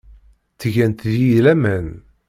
Ttgent deg-i laman.